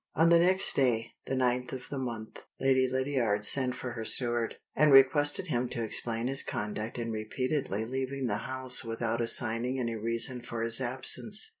On the next day (the ninth of the month) Lady Lydiard sent for her steward, and requested him to explain his conduct in repeatedly leaving the house without assigning any reason for his absence.